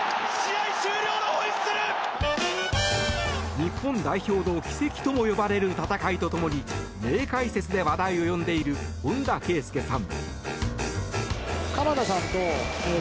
日本代表の奇跡とも呼ばれる戦いと共に名解説で話題を呼んでいる本田圭佑さん。